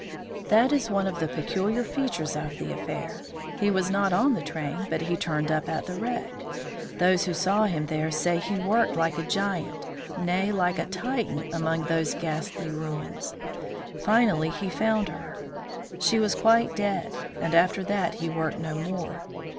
"That is one of the peculiar features of the affair. He was not on the train, but he turned up at the wreck. Those who saw him there say that he worked like a giant, nay, like a Titan, amongst those ghastly ruins. Finally he found her. She was quite dead. After that he worked no more.